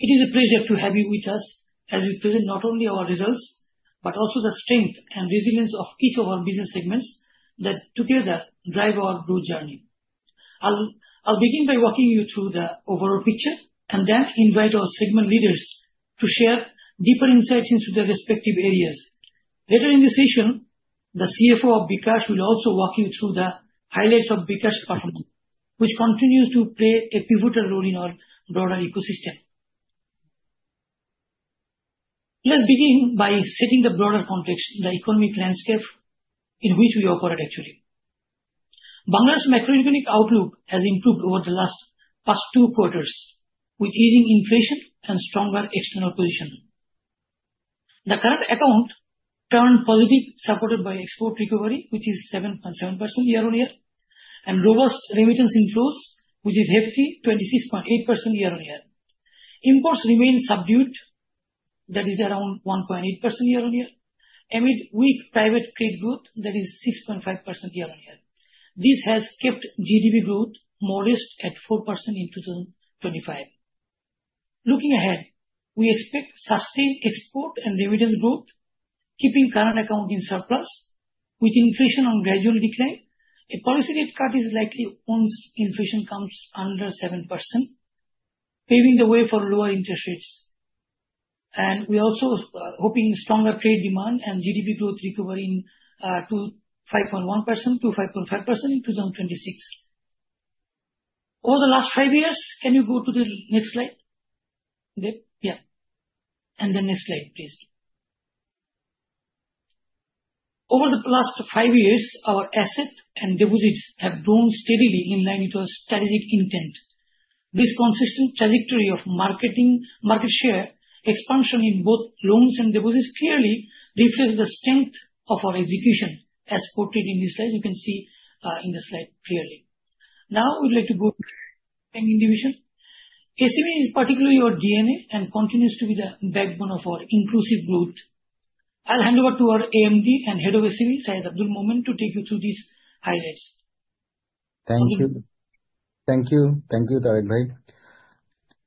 It is a pleasure to have you with us as we present not only our results but also the strength and resilience of each of our business segments that together drive our growth journey. I'll begin by walking you through the overall picture and then invite our segment leaders to share deeper insights into their respective areas. Later in the session, the CFO of bKash will also walk you through the highlights of bKash's performance, which continues to play a pivotal role in our broader ecosystem. Let's begin by setting the broader context in the economic landscape in which we operate, actually. Bangladesh's macroeconomic outlook has improved over the last two quarters, with easing inflation and stronger external position. The current account turned positive, supported by export recovery, which is 7.7% year-on-year, and robust remittance inflows, which is hefty, 26.8% year-on-year. Imports remain subdued, that is around 1.8% year-on-year, amid weak private trade growth, that is 6.5% year-on-year. This has kept GDP growth modest at 4% in 2025. Looking ahead, we expect sustained export and remittance growth, keeping current account in surplus, with inflation on gradual decline. A policy rate cut is likely once inflation comes under 7%, paving the way for lower interest rates, and we are also hoping stronger trade demand and GDP growth recovery to 5.1%-5.5% in 2026. Over the last five years. Can you go to the next slide? Yeah, and the next slide, please. Over the last five years, our assets and deposits have grown steadily in line with our strategic intent. This consistent trajectory of market share expansion in both loans and deposits clearly reflects the strength of our execution, as portrayed in this slide. You can see in the slide clearly. Now, we'd like to go to the SME division. SME is particularly our DNA and continues to be the backbone of our inclusive growth. I'll hand over to our AMD and Head of SME, Syed Abdul Momen, to take you through these highlights. Thank you. Thank you. Thank you, Tareq Bhai.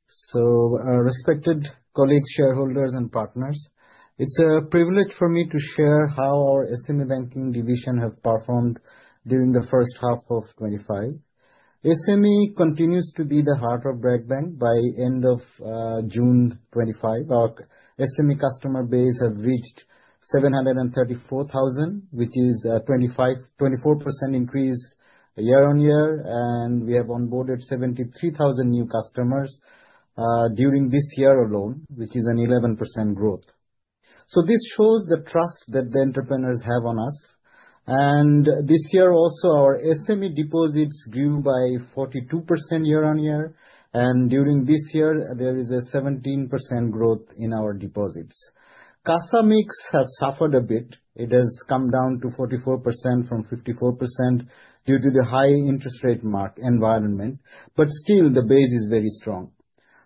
So, respected colleagues, shareholders, and partners, it's a privilege for me to share how our SME Banking Division has performed during the first half of 2025. SME continues to be the heart of BRAC Bank by the end of June 2025. Our SME customer base has reached 734,000, which is a 24% increase year-on-year, and we have onboarded 73,000 new customers during this year alone, which is an 11% growth. So this shows the trust that the entrepreneurs have on us. And this year also, our SME deposits grew by 42% year-on-year, and during this year, there is a 17% growth in our deposits. CASA Mix has suffered a bit. It has come down to 44% from 54% due to the high interest rate environment, but still, the base is very strong.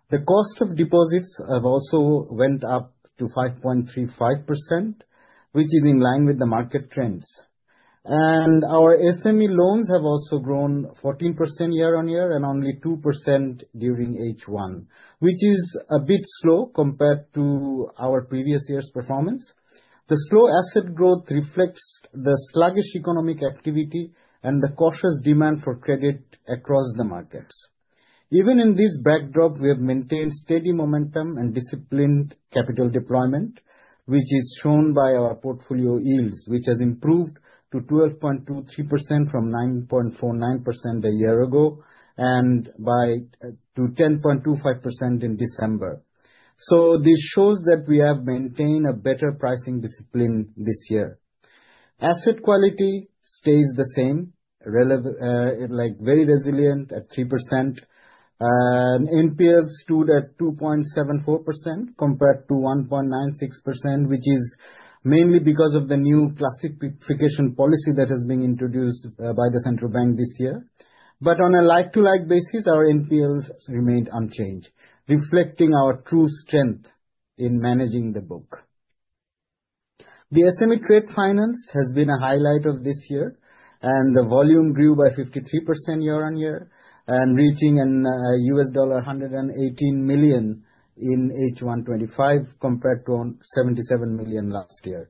The cost of deposits have also went up to 5.35%, which is in line with the market trends, and our SME loans have also grown 14% year-on-year and only 2% during H1, which is a bit slow compared to our previous year's performance. The slow asset growth reflects the sluggish economic activity and the cautious demand for credit across the markets. Even in this backdrop, we have maintained steady momentum and disciplined capital deployment, which is shown by our portfolio yields, which has improved to 12.23% from 9.49% a year ago and to 10.25% in December, so this shows that we have maintained a better pricing discipline this year. Asset quality stays the same, very resilient at 3%. NPL stood at 2.74% compared to 1.96%, which is mainly because of the new classification policy that has been introduced by the Central Bank this year. But on a like-to-like basis, our NPLs remained unchanged, reflecting our true strength in managing the book. The SME Trade Finance has been a highlight of this year, and the volume grew by 53% year-on-year, reaching $118 million in H1 2025 compared to $77 million last year.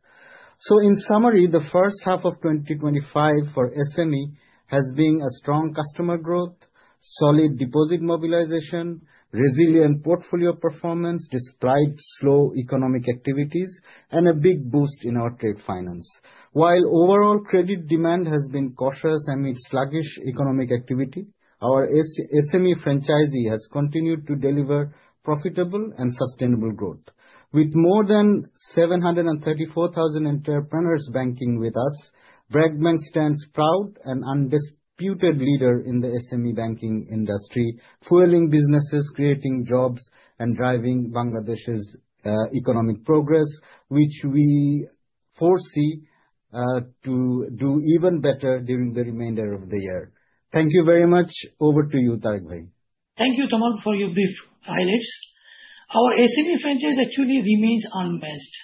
So in summary, the first half of 2025 for SME has been strong customer growth, solid deposit mobilization, resilient portfolio performance, despite slow economic activities, and a big boost in our trade finance. While overall credit demand has been cautious amid sluggish economic activity, our SME franchisee has continued to deliver profitable and sustainable growth. With more than 734,000 entrepreneurs banking with us, BRAC Bank stands proud and undisputed leader in the SME Banking Industry, fueling businesses, creating jobs, and driving Bangladesh's economic progress, which we foresee to do even better during the remainder of the year. Thank you very much. Over to you, Tareq Bhai. Thank you, Tamal, for your brief highlights. Our SME franchise actually remains unmatched,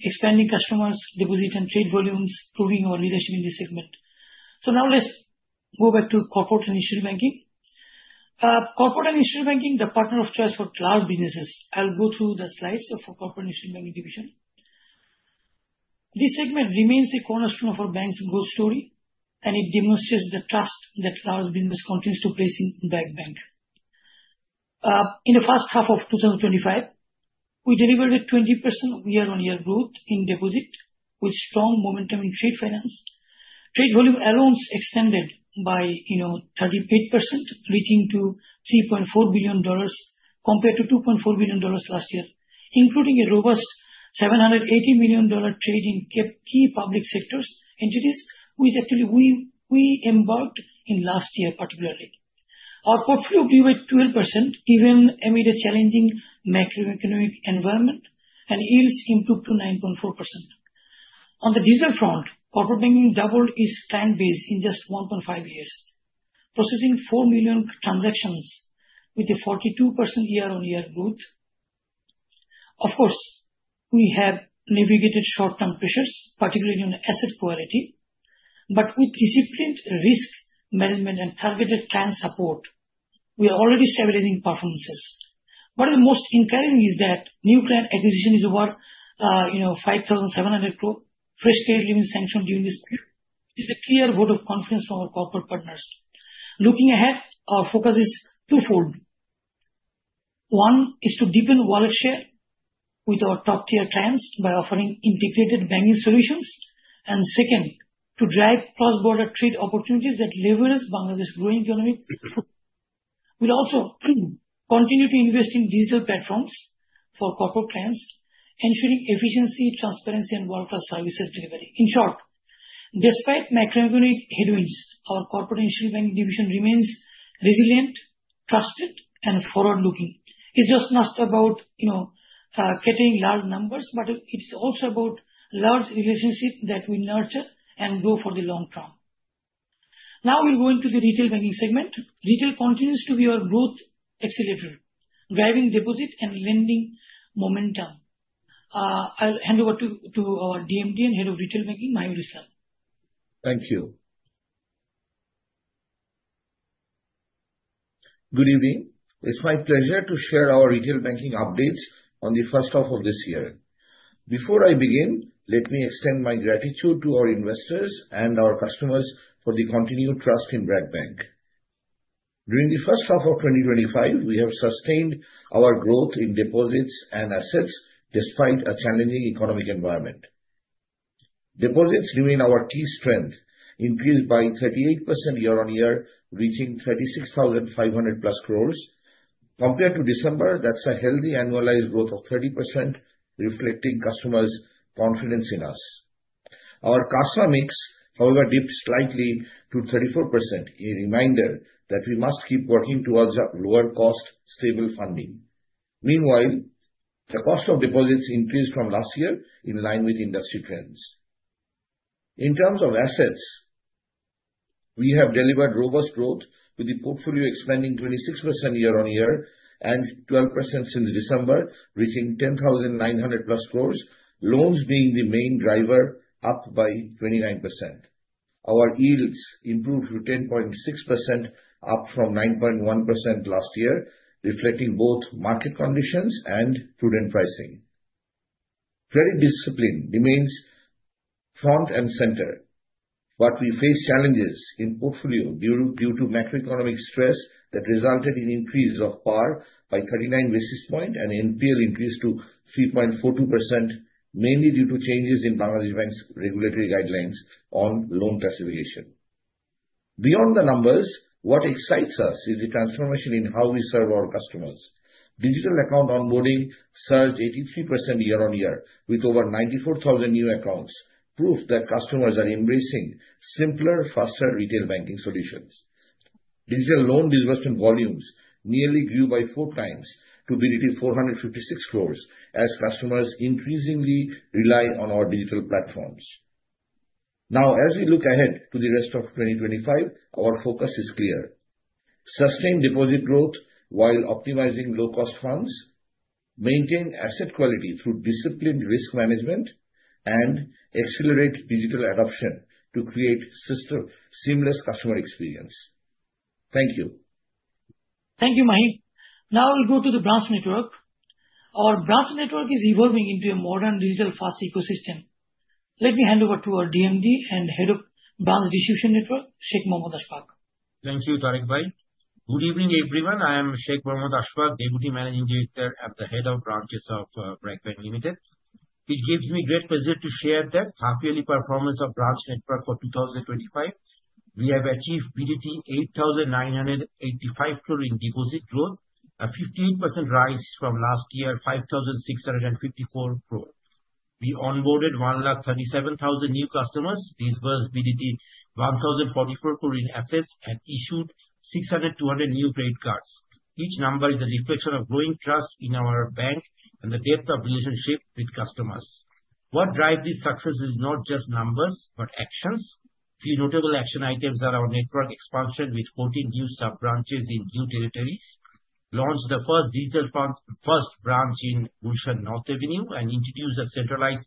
expanding customers, deposits, and trade volumes, proving our leadership in this segment. So now, let's go back to Corporate and Institutional Banking. Corporate and Institutional Banking, the partner of choice for large businesses. I'll go through the slides for the Corporate and Institutional Banking division. This segment remains a cornerstone of our bank's growth story, and it demonstrates the trust that large businesses continue to place in BRAC Bank. In the first half of 2025, we delivered a 20% year-on-year growth in deposit with strong momentum in trade finance. Trade volume alone extended by 38%, reaching to $3.4 billion compared to $2.4 billion last year, including a robust $780 million trade in key public sector entities, which actually we embarked on last year, particularly. Our portfolio grew by 12%, even amid a challenging macroeconomic environment, and yields improved to 9.4%. On the digital front, corporate banking doubled its client base in just 1.5 years, processing 4 million transactions with a 42% year-on-year growth. Of course, we have navigated short-term pressures, particularly on asset quality, but with disciplined risk management and targeted client support, we are already seeing performances. What is most encouraging is that new client acquisition is over BDT 5,700 crore fresh trade limits sanctioned during this period. It is a clear vote of confidence from our corporate partners. Looking ahead, our focus is twofold. One is to deepen wallet share with our top-tier clients by offering integrated banking solutions, and second, to drive cross-border trade opportunities that leverage Bangladesh's growing economy. We'll also continue to invest in digital platforms for corporate clients, ensuring efficiency, transparency, and world-class services delivery. In short, despite macroeconomic headwinds, our Corporate and Institutional Banking division remains resilient, trusted, and forward-looking. It's just not about getting large numbers, but it's also about large relationships that we nurture and grow for the long term. Now, we'll go into the Retail Banking segment. Retail continues to be our growth accelerator, driving deposit and lending momentum. I'll hand over to our DMD and Head of Retail Banking, Mahiul Islam. Thank you. Good evening. It's my pleasure to share our Retail Banking updates on the first half of this year. Before I begin, let me extend my gratitude to our investors and our customers for the continued trust in BRAC Bank. During the first half of 2025, we have sustained our growth in deposits and assets despite a challenging economic environment. Deposits remain our key strength, increased by 38% year-on-year, reaching BDT 36,500 plus crores. Compared to December, that's a healthy annualized growth of 30%, reflecting customers' confidence in us. Our CASA Mix, however, dipped slightly to 34%, a reminder that we must keep working towards lower-cost, stable funding. Meanwhile, the cost of deposits increased from last year in line with industry trends. In terms of assets, we have delivered robust growth with the portfolio expanding 26% year-on-year and 12% since December, reaching BDT 10,900 plus crores, loans being the main driver, up by 29%. Our yields improved to 10.6%, up from 9.1% last year, reflecting both market conditions and prudent pricing. Credit discipline remains front and center, but we face challenges in portfolio due to macroeconomic stress that resulted in an increase of par by 39 basis points, and NPL increased to 3.42%, mainly due to changes in Bangladesh Bank's regulatory guidelines on loan classification. Beyond the numbers, what excites us is the transformation in how we serve our customers. Digital account onboarding surged 83% year-on-year with over 94,000 new accounts, proof that customers are embracing simpler, faster Retail Banking solutions. Digital loan disbursement volumes nearly grew by four times to BDT 456 crores as customers increasingly rely on our digital platforms. Now, as we look ahead to the rest of 2025, our focus is clear: sustain deposit growth while optimizing low-cost funds, maintain asset quality through disciplined risk management, and accelerate digital adoption to create seamless customer experience. Thank you. Thank you, Mahiul. Now, we'll go to the Branch Network. Our Branch Network is evolving into a modern digital fast ecosystem. Let me hand over to our DMD and Head of Branch Distribution Network, Sheikh Mohammad Ashfaque. Thank you, Tareq Bhai. Good evening, everyone. I am Sheikh Mohammad Ashfaque, Deputy Managing Director and Head of Branches of BRAC Bank. It gives me great pleasure to share that half-yearly performance of Branch Network for 2025. We have achieved BDT 8,985 crore in deposit growth, a 58% rise from last year's 5,654 crore. We onboarded 137,000 new customers, disbursed BDT 1,044 crore in assets, and issued 6,200 new credit cards. Each number is a reflection of growing trust in our bank and the depth of relationship with customers. What drives this success is not just numbers but actions. A few notable action items are our network expansion with 14 new sub-branches in new territories. We launched the first Digital First, first branch in Gulshan North Avenue, and introduced a centralized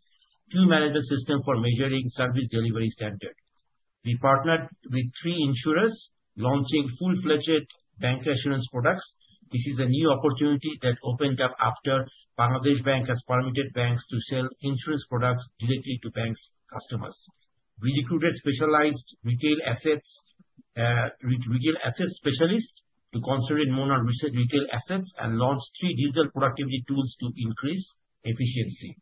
queue management system for measuring service delivery standard. We partnered with three insurers, launching full-fledged bancassurance products. This is a new opportunity that opened up after Bangladesh Bank has permitted banks to sell insurance products directly to banks' customers. We recruited specialized retail assets specialists to concentrate more on retail assets and launched three digital productivity tools to increase efficiency.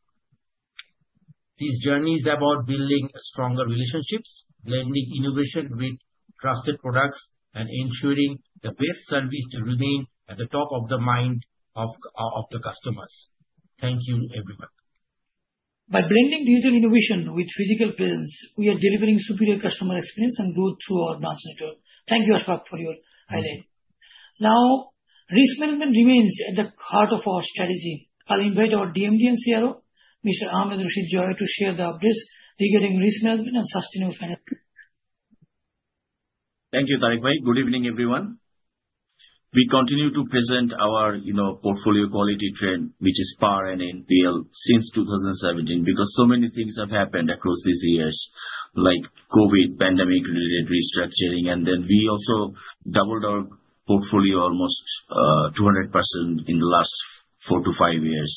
This journey is about building stronger relationships, blending innovation with trusted products, and ensuring the best service to remain at the top of the mind of the customers. Thank you, everyone. By blending digital innovation with physical presence, we are delivering superior customer experience and growth through our Branch Network. Thank you, Ashfaque, for your highlight. Now, Risk Management remains at the heart of our strategy. I'll invite our DMD and CRO, Mr. Ahmed Rashid Joy, to share the updates regarding Risk Management and Sustainable Finance. Thank you, Tareq Bhai. Good evening, everyone. We continue to present our portfolio quality trend, which is PAR and NPL since 2017, because so many things have happened across these years, like COVID pandemic-related restructuring, and then we also doubled our portfolio almost 200% in the last four to five years,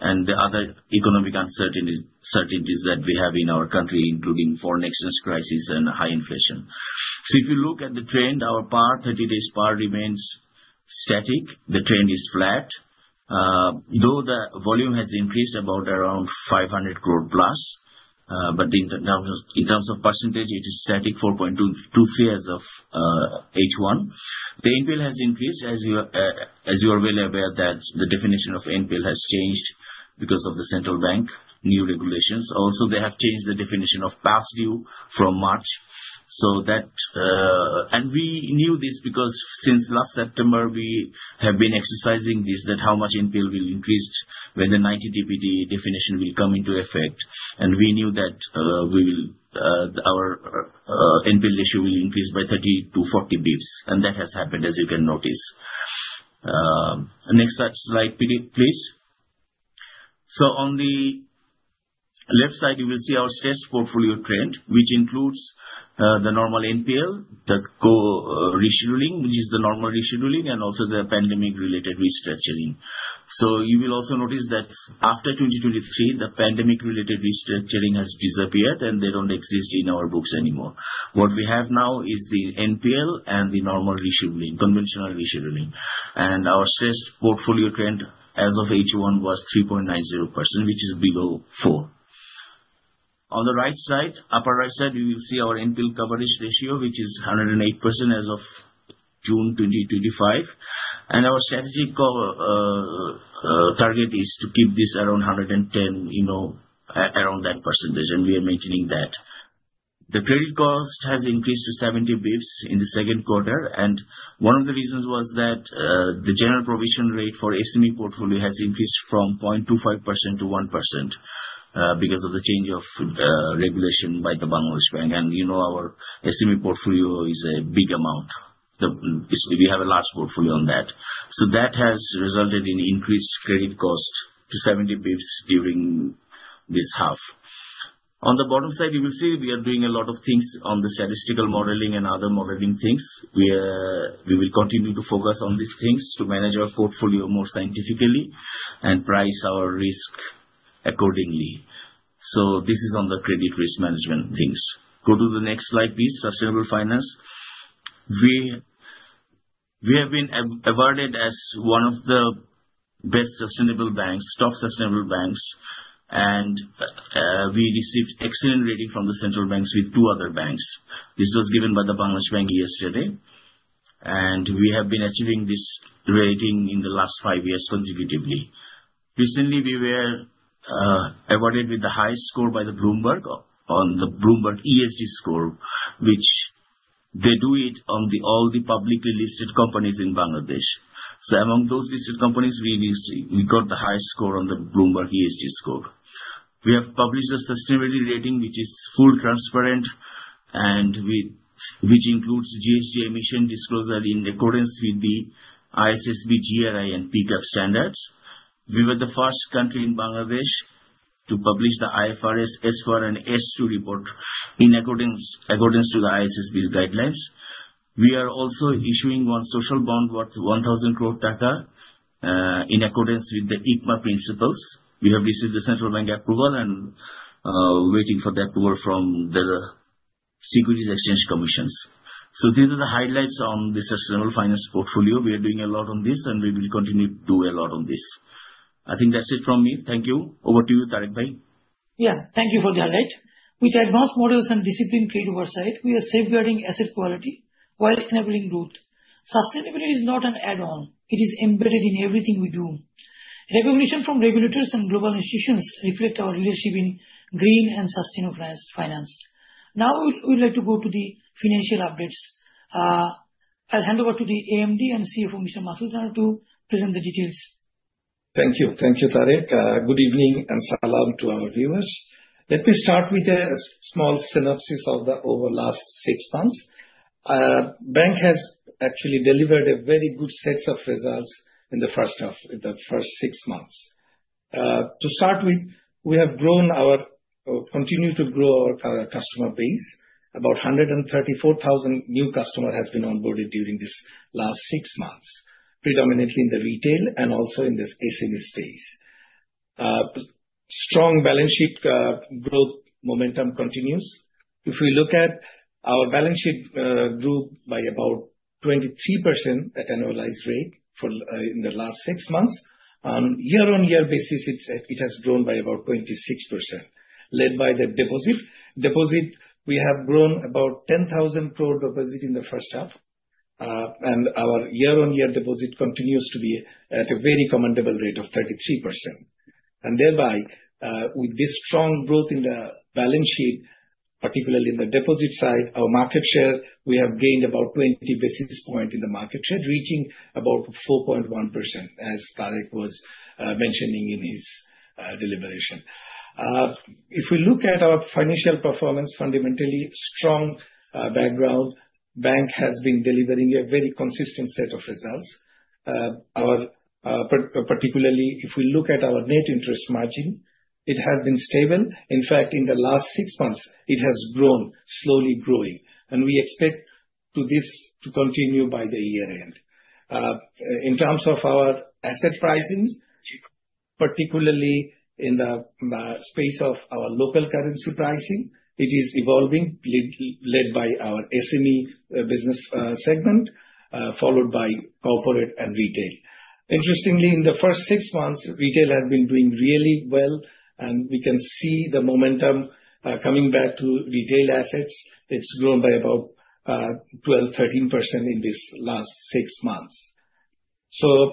and the other economic uncertainties that we have in our country, including foreign exchange crisis and high inflation. So, if you look at the trend, our PAR 30-day PAR remains static. The trend is flat, though the volume has increased about around BDT 500 crore plus, but in terms of percentage, it is static, 4.23% as of H1. The NPL has increased, as you are well aware, that the definition of NPL has changed because of the Central Bank new regulations. Also, they have changed the definition of past due from March. We knew this because since last September, we have been exercising this that how much NPL will increase when the 90 DPD definition will come into effect. We knew that our NPL ratio will increase by 30-40 basis points. That has happened, as you can notice. Next slide, please. On the left side, you will see our stressed portfolio trend, which includes the normal NPL, the co-rescheduling, which is the normal rescheduling, and also the pandemic-related restructuring. You will also notice that after 2023, the pandemic-related restructuring has disappeared, and they don't exist in our books anymore. What we have now is the NPL and the normal rescheduling, conventional rescheduling. Our stressed portfolio trend as of H1 was 3.90%, which is below four. On the right side, upper right side, you will see our NPL coverage ratio, which is 108% as of June 2025. And our strategic target is to keep this around 110%, around that percentage, and we are maintaining that. The credit cost has increased to 70 basis points in the second quarter. And one of the reasons was that the general provision rate for SME portfolio has increased from 0.25% to 1% because of the change of regulation by the Bangladesh Bank. And our SME portfolio is a big amount. We have a large portfolio on that. So that has resulted in increased credit cost to 70 basis points during this half. On the bottom side, you will see we are doing a lot of things on the statistical modeling and other modeling things. We will continue to focus on these things to manage our portfolio more scientifically and price our risk accordingly. So this is on the credit risk management things. Go to the next slide, please. Sustainable finance. We have been awarded as one of the best sustainable banks, top sustainable banks. And we received excellent rating from the Central Bank with two other banks. This was given by the Bangladesh Bank yesterday. And we have been achieving this rating in the last five years consecutively. Recently, we were awarded with the highest score by Bloomberg on the Bloomberg ESG score, which they do it on all the publicly listed companies in Bangladesh. So, among those listed companies, we got the highest score on the Bloomberg ESG score. We have published a sustainability rating, which is fully transparent, and which includes GHG emission disclosure in accordance with the ISSB GRI and PCAF standards. We were the first country in Bangladesh to publish the IFRS S1 and S2 report in accordance with the ISSB's guidelines. We are also issuing one social bond worth BDT 1,000 crore in accordance with the ICMA principles. We have received the Central Bank approval and are waiting for the approval from the Securities Exchange Commission. So, these are the highlights on the sustainable finance portfolio. We are doing a lot on this, and we will continue to do a lot on this. I think that's it from me. Thank you. Over to you, Tareq Bhai. Yeah. Thank you for the highlight. With the advanced models and disciplined trade oversight, we are safeguarding asset quality while enabling growth. Sustainability is not an add-on. It is embedded in everything we do. Recognition from regulators and global institutions reflects our leadership in green and sustainable finance. Now, we'd like to go to the financial updates. I'll hand over to the AMD and CFO, Mr. Masud Rana to present the details. Thank you. Thank you, Tareq. Good evening and salam to our viewers. Let me start with a small synopsis of the overall last six months. The bank has actually delivered a very good set of results in the first six months. To start with, we have grown our or continue to grow our customer base. About 134,000 new customers have been onboarded during this last six months, predominantly in the retail and also in the SME space. Strong balance sheet growth momentum continues. If we look at our balance sheet grew by about 23% at annualized rate in the last six months. On a year-on-year basis, it has grown by about 26%, led by the deposit. Deposit, we have grown about BDT 10,000 crore deposit in the first half. And our year-on-year deposit continues to be at a very commendable rate of 33%. Thereby, with this strong growth in the balance sheet, particularly in the deposit side, our market share, we have gained about 20 basis points in the market share, reaching about 4.1%, as Tareq was mentioning in his deliberation. If we look at our financial performance, fundamentally strong background, the bank has been delivering a very consistent set of results. Particularly, if we look at our net interest margin, it has been stable. In fact, in the last six months, it has grown, slowly growing. We expect this to continue by the year-end. In terms of our asset pricing, particularly in the space of our local currency pricing, it is evolving, led by our SME business segment, followed by corporate and retail. Interestingly, in the first six months, retail has been doing really well. We can see the momentum coming back to retail assets. It's grown by about 12%-13% in this last six months.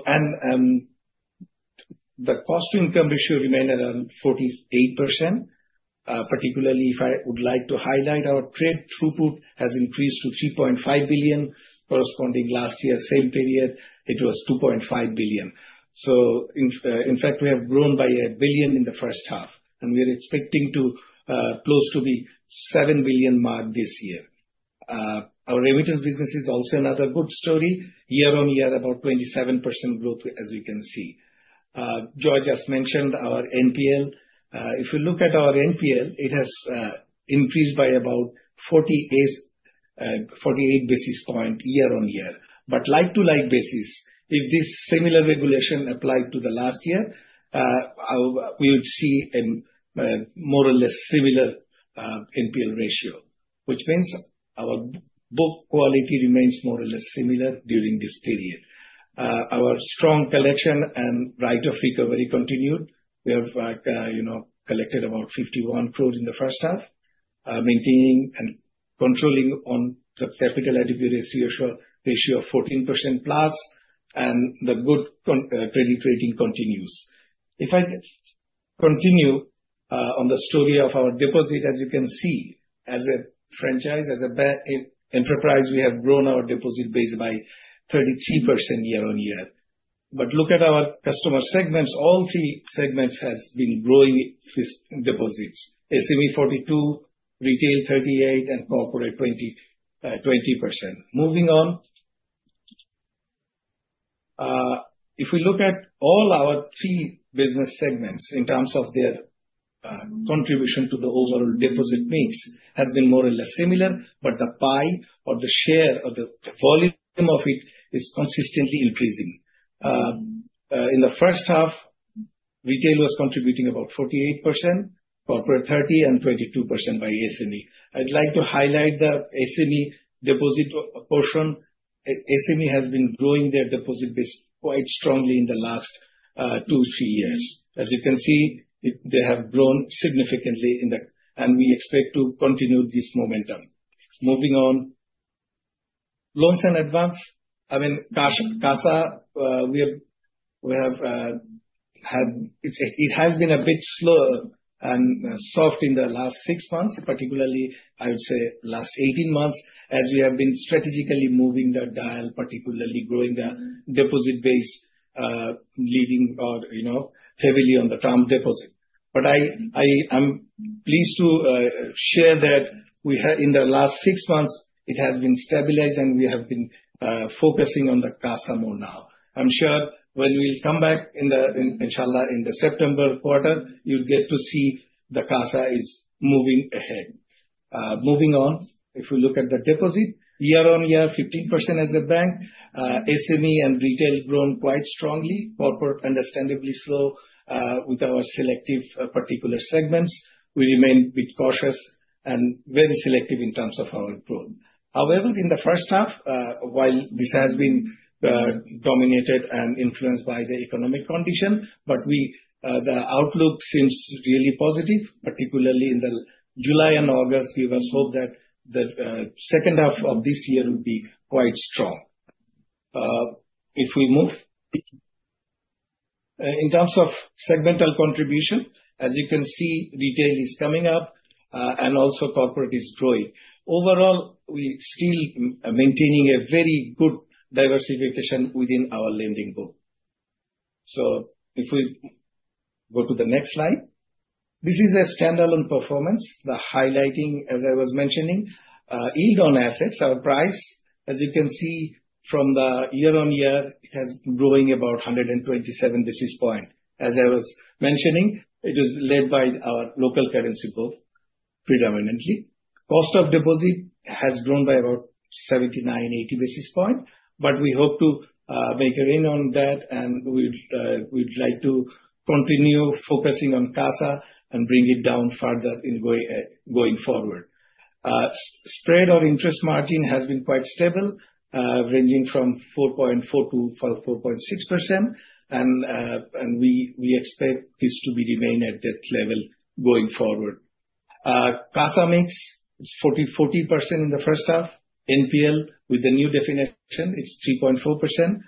And the cost-to-income ratio remained around 48%. Particularly, if I would like to highlight, our trade throughput has increased to $3.5 billion, corresponding last year, same period, it was $2.5 billion. So in fact, we have grown by $1 billion in the first half. And we are expecting to close to the $7 billion mark this year. Our remittance business is also another good story. Year-on-year, about 27% growth, as we can see. Joy just mentioned our NPL. If you look at our NPL, it has increased by about 48 basis points year-on-year. But like-for-like basis, if this similar regulation applied to the last year, we would see a more or less similar NPL ratio, which means our book quality remains more or less similar during this period. Our strong collection and rate of recovery continued. We have collected about BDT 51 crore in the first half, maintaining and controlling on the capital attribute ratio of 14% plus. And the good credit rating continues. If I continue on the story of our deposit, as you can see, as a franchise, as an enterprise, we have grown our deposit base by 33% year-on-year. But look at our customer segments. All three segments have been growing deposits: SME 42%, Retail 38%, and Corporate 20%. Moving on, if we look at all our three business segments in terms of their contribution to the overall deposit mix, it has been more or less similar. But the pie or the share or the volume of it is consistently increasing. In the first half, Retail was contributing about 48%, Corporate 30%, and 22% by SME. I'd like to highlight the SME deposit portion. SME has been growing their deposit base quite strongly in the last two, three years. As you can see, they have grown significantly, and we expect to continue this momentum. Moving on, loans and advance. I mean, CASA, it has been a bit slow and soft in the last six months, particularly, I would say, last 18 months, as we have been strategically moving the dial, particularly growing the deposit base, leaning heavily on the term deposit. But I'm pleased to share that in the last six months, it has been stabilized, and we have been focusing on the CASA more now. I'm sure when we'll come back, inshallah, in the September quarter, you'll get to see the CASA is moving ahead. Moving on, if we look at the deposit, year-on-year, 15% as a bank. SME and Retail grown quite strongly. Corporate, understandably, slow with our selective particular segments. We remain a bit cautious and very selective in terms of our growth. However, in the first half, while this has been dominated and influenced by the economic condition, but the outlook seems really positive, particularly in the July and August. We must hope that the second half of this year will be quite strong. If we move. In terms of segmental contribution, as you can see, retail is coming up, and also corporate is growing. Overall, we are still maintaining a very good diversification within our lending book. So if we go to the next slide, this is a Standalone Performance. The highlighting, as I was mentioning, yield on assets, our price, as you can see from the year-on-year, it has been growing about 127 basis points. As I was mentioning, it is led by our local currency book, predominantly. Cost of deposit has grown by about 79-80 basis points. But we hope to make a win on that, and we'd like to continue focusing on CASA and bring it down further going forward. Spread or interest margin has been quite stable, ranging from 4.4%-4.6%, and we expect this to remain at that level going forward. CASA Mix, it's 40% in the first half. NPL, with the new definition, it's 3.4%,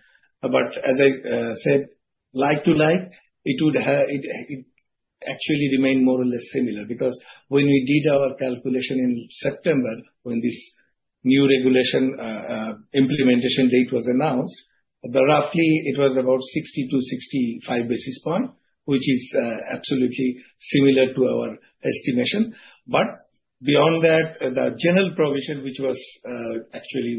but as I said, like-to-like, it would actually remain more or less similar because when we did our calculation in September, when this new regulation implementation date was announced, roughly, it was about 60-65 basis points, which is absolutely similar to our estimation, but beyond that, the general provision, which was actually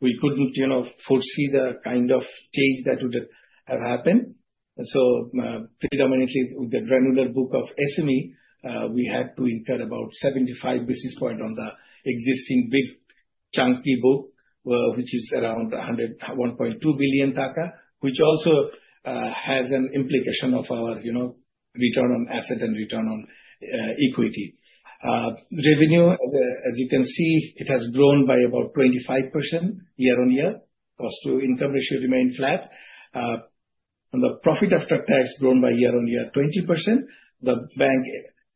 we couldn't foresee the kind of change that would have happened. So predominantly, with the granular book of SME, we had to incur about 75 basis points on the existing big chunky book, which is around BDT 1.2 billion, which also has an implication of our return on asset and return on equity. Revenue, as you can see, it has grown by about 25% year-on-year. Cost-to-income ratio remained flat. The profit after tax grown by year-on-year 20%. The bank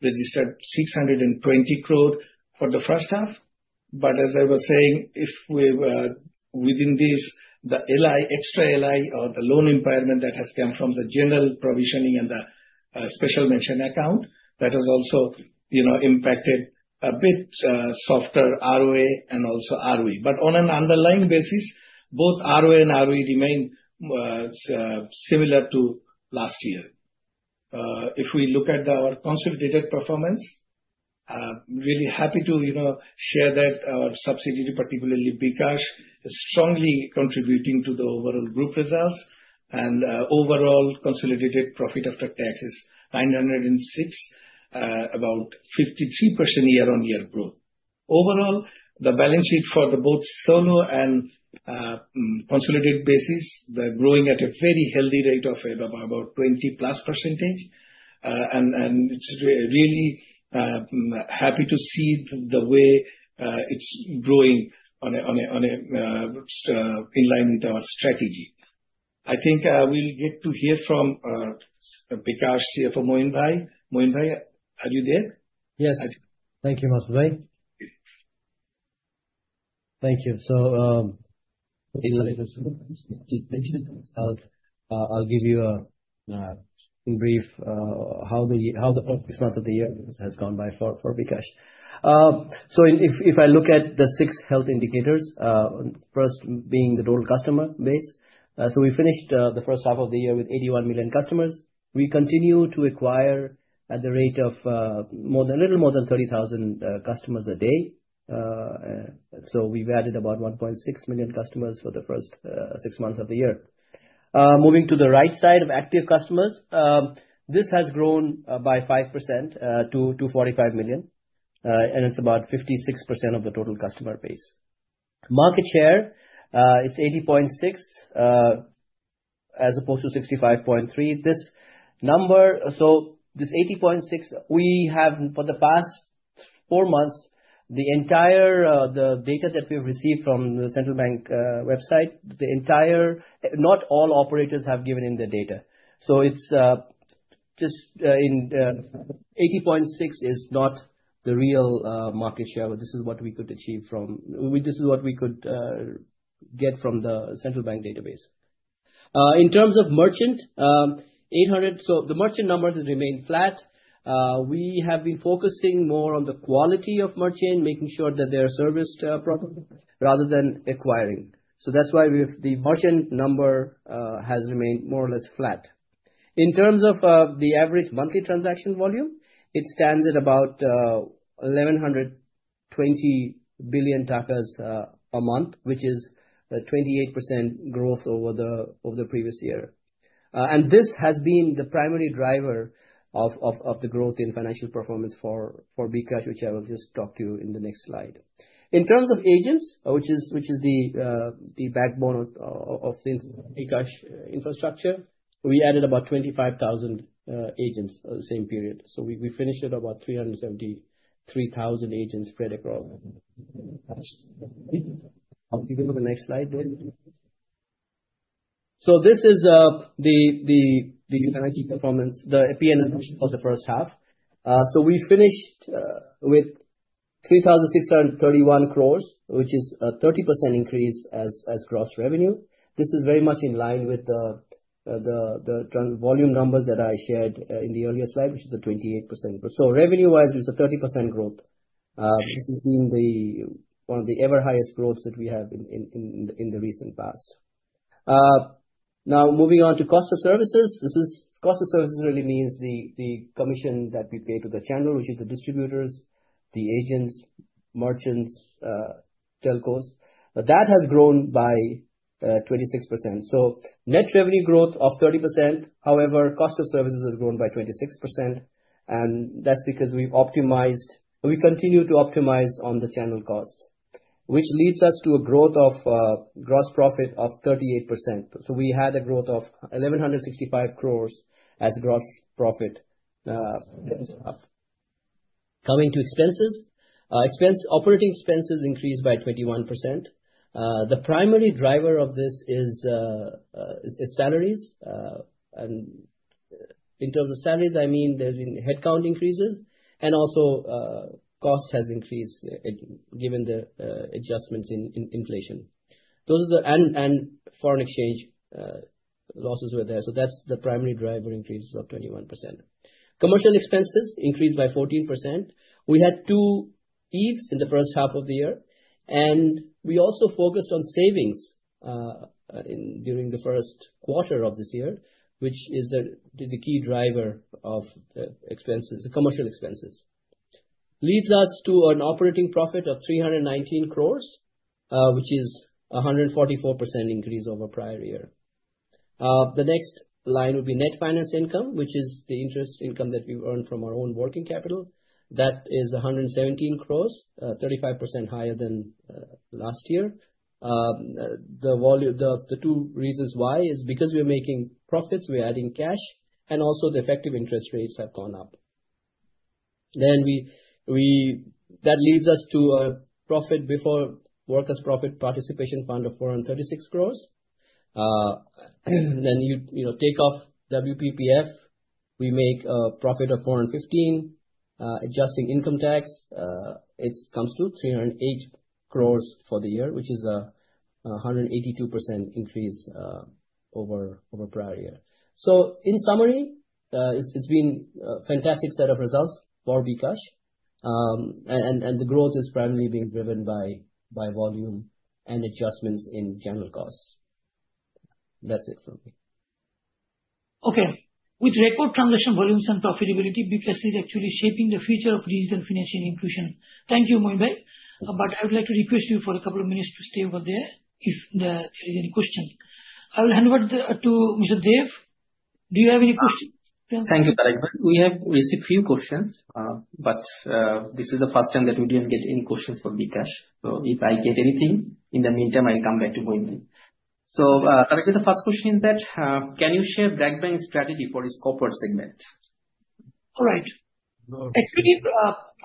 registered BDT 620 crore for the first half. But as I was saying, within this, the extra LI or the loan impairment that has come from the general provisioning and the Special Mention Account, that has also impacted a bit softer ROA and also ROE. But on an underlying basis, both ROA and ROE remain similar to last year. If we look at our consolidated performance, I'm really happy to share that our subsidiary, particularly bKash, is strongly contributing to the overall group results. And overall consolidated profit after tax is BDT 906, about 53% year-on-year growth. Overall, the balance sheet for both solo and consolidated basis, they're growing at a very healthy rate of about 20 plus percentage. And it's really happy to see the way it's growing in line with our strategy. I think we'll get to hear from bKash CFO, Moin Bhai. Moin Bhai, are you there? Yes. Thank you, Masud Bhai. Thank you. So, I'll give you a brief how the first half of the year has gone by for bKash. So, if I look at the six health indicators, first being the total customer base. We finished the first half of the year with 81 million customers. We continue to acquire at the rate of a little more than 30,000 customers a day. So, we've added about 1.6 million customers for the first six months of the year. Moving to the right side of active customers, this has grown by 5% to $45 million. And it's about 56% of the total customer base. Market share, it's 80.6% as opposed to 65.3%. So, this 80.6%, we have for the past four months, the entire data that we've received from the central bank website, not all operators have given in the data. It's just 80.6% is not the real market share. This is what we could get from the central bank database. In terms of merchant, 800, so the merchant number has remained flat. We have been focusing more on the quality of merchant, making sure that they are serviced properly rather than acquiring. So that's why the merchant number has remained more or less flat. In terms of the average monthly transaction volume, it stands at about BDT 1,120 billion a month, which is a 28% growth over the previous year. And this has been the primary driver of the growth in financial performance for bKash, which I will just talk to you in the next slide. In terms of agents, which is the backbone of the bKash infrastructure, we added about 25,000 agents the same period. So we finished at about 373,000 agents spread across. I'll give you the next slide there. So this is the performance, the P&L for the first half. So we finished with BDT 3,631 crores, which is a 30% increase as gross revenue. This is very much in line with the volume numbers that I shared in the earlier slide, which is a 28% growth. So revenue-wise, it's a 30% growth. This has been one of the ever-highest growths that we have in the recent past. Now, moving on to cost of services. This cost of services really means the commission that we pay to the channel, which is the distributors, the agents, merchants, Telcos. That has grown by 26%. So net revenue growth of 30%. However, cost of services has grown by 26%. And that's because we optimized we continue to optimize on the channel cost, which leads us to a growth of gross profit of 38%. So we had a growth of BDT 1,165 crores as gross profit coming to expenses. Operating expenses increased by 21%. The primary driver of this is salaries. And in terms of salaries, I mean, there's been headcount increases. And also, cost has increased given the adjustments in inflation. And foreign exchange losses were there. So that's the primary driver increase of 21%. Commercial expenses increased by 14%. We had two EVs in the first half of the year. And we also focused on savings during the first quarter of this year, which is the key driver of the commercial expenses. Leads us to an operating profit of BDT 319 crores, which is a 144% increase over prior year. The next line would be net finance income, which is the interest income that we've earned from our own working capital. That is BDT 117 crores, 35% higher than last year. The two reasons why is because we're making profits, we're adding cash, and also the effective interest rates have gone up, then that leads us to a profit before Workers' Profit Participation Fund of BDT 436 crores. Then you take off WPPF, we make a profit of BDT 415. Adjusting income tax, it comes to BDT 308 crores for the year, which is a 182% increase over prior year. In summary, it's been a fantastic set of results for BRAC Bank. The growth is primarily being driven by volume and adjustments in general costs. That's it from me. Okay. With record transaction volumes and profitability, bKash is actually shaping the future of digital financial inclusion. Thank you, Moin Bhai. But I would like to request you for a couple of minutes to stay over there if there is any question. I will hand over to Mr. Dave. Do you have any questions? Thank you, Tareq Refat. We have received a few questions, but this is the first time that we didn't get any questions for bKash. So if I get anything in the meantime, I'll come back to Moinuddin. So Tareq Refat, the first question is that, can you share BRAC Bank's strategy for its Corporate segment? All right. Actually,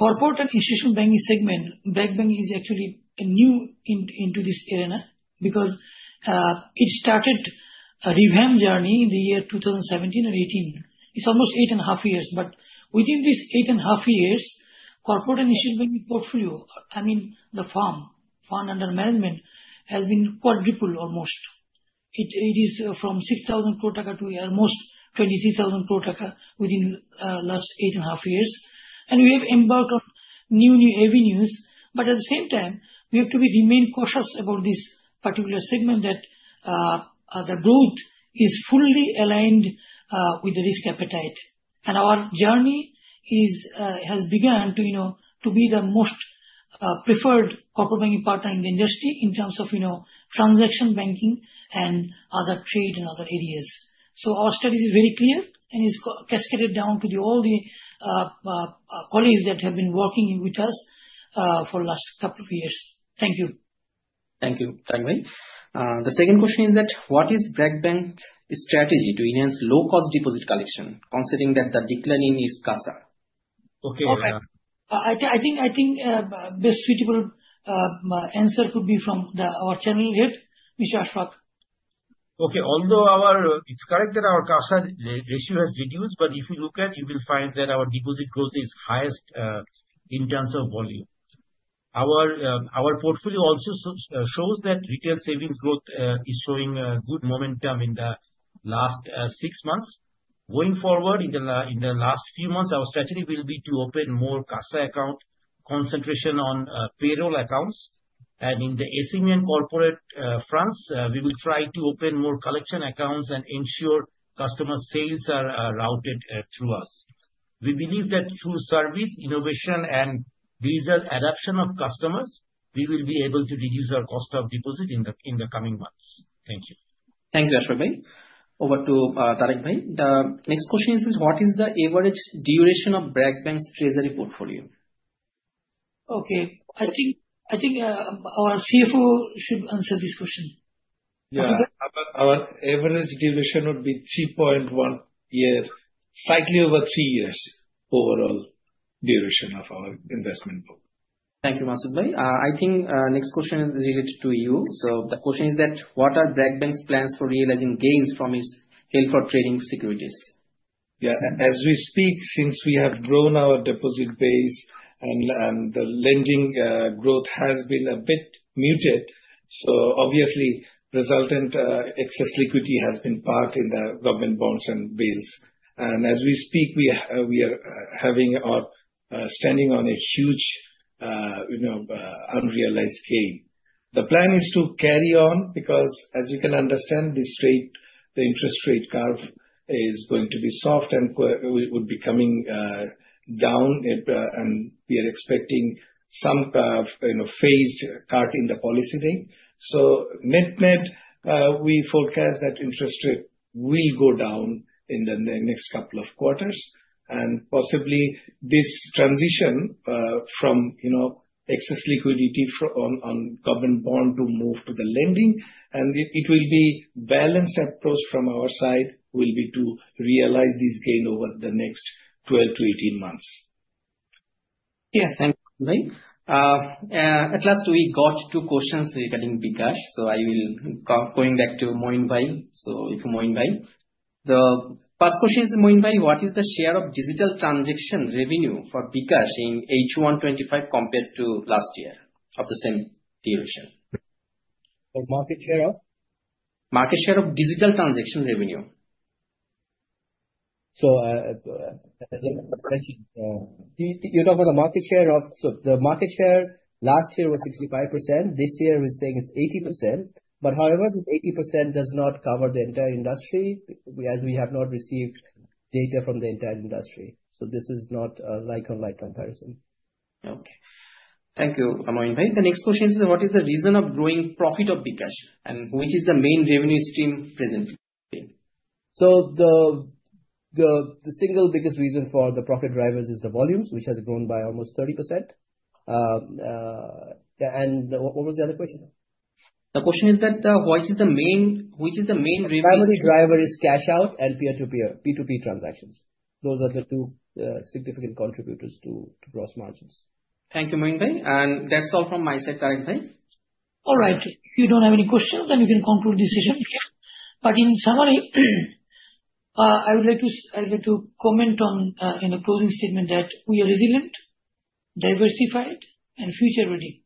Corporate and Institutional Banking segment, BRAC Bank is actually new into this arena because it started a revamp journey in the year 2017 or 2018. It's almost eight and a half years, but within these eight and a half years, Corporate and Institutional Banking portfolio, I mean, the fund under management has been quadrupled almost. It is from BDT 6,000 crore to almost BDT 23,000 crore within the last eight and a half years, and we have embarked on new avenues, but at the same time, we have to remain cautious about this particular segment that the growth is fully aligned with the risk appetite, and our journey has begun to be the most preferred corporate banking partner in the industry in terms of transaction banking and other trade and other areas. So our strategy is very clear and is cascaded down to all the colleagues that have been working with us for the last couple of years. Thank you. Thank you, Tareq Bhai. The second question is that, what is BRAC Bank's strategy to enhance low-cost deposit collection, considering that the declining is CASA? Okay. I think the suitable answer could be from our channel head, Mr. Ashfaque. Okay. Although it's correct that our CASA ratio has reduced, but if you look at, you will find that our deposit growth is highest in terms of volume. Our portfolio also shows that retail savings growth is showing good momentum in the last six months. Going forward, in the last few months, our strategy will be to open more CASA account, concentration on payroll accounts. And in the SME and Corporate fronts, we will try to open more collection accounts and ensure customer sales are routed through us. We believe that through service, innovation, and digital adoption of customers, we will be able to reduce our cost of deposit in the coming months. Thank you. Thank you, Ashfaq Bhai. Over to Tareq Bhai. The next question is, what is the average duration of BRAC Bank's treasury portfolio? Okay. I think our CFO should answer this question. Our average duration would be 3.1 years, slightly over three years, overall duration of our investment book. Thank you, Masud Bhai. I think the next question is related to you. So the question is that, what are BRAC Bank's plans for realizing gains from its held-for-trading securities? Yeah. As we speak, since we have grown our deposit base and the lending growth has been a bit muted, so obviously, resultant excess liquidity has been parked in the government bonds and bills, and as we speak, we are standing on a huge unrealized gain. The plan is to carry on because, as you can understand, the interest rate curve is going to be soft and would be coming down, and we are expecting some phased cut in the policy rate, so net net, we forecast that interest rate will go down in the next couple of quarters, and possibly, this transition from excess liquidity on government bond to move to the lending and it will be balanced approach from our side will be to realize this gain over the next 12-18 months. Yeah. Thank you, Masud bhai. At last, we got two questions regarding bKash. So I will go back to Moin Bhai. So, Moin Bhai, the first question is, Moin Bhai, what is the share of digital transaction revenue for bKash in H1 2025 compared to last year of the same duration? For market share of? Market share of digital transaction revenue. So, as I mentioned, you're talking about the market share. So the market share last year was 65%. This year, we're saying it's 80%. But however, the 80% does not cover the entire industry as we have not received data from the entire industry. So this is not a like-for-like comparison. Okay. Thank you, Moin Bhai. The next question is, what is the reason of growing profit of bKash, and which is the main revenue stream presently? The single biggest reason for the profit drivers is the volumes, which has grown by almost 30%. What was the other question? The question is that which is the main primary driver is cash-out and peer-to-peer transactions? Those are the two significant contributors to gross margins. Thank you, Moin Bhai. And that's all from my side, Tareq Bhai. All right. If you don't have any questions, then you can conclude the session here. But in summary, I would like to comment on in the closing statement that we are resilient, diversified, and future-ready.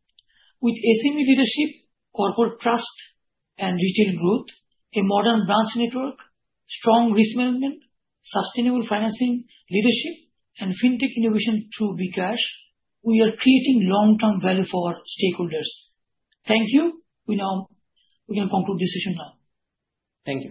With SME leadership, corporate trust, and retail growth, a modern branch network, strong risk management, sustainable financing leadership, and fintech innovation through bKash, we are creating long-term value for stakeholders. Thank you. We can conclude the session now. Thank you.